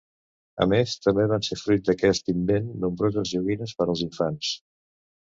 A més, també van ser fruit d’aquest invent nombroses joguines per als infants.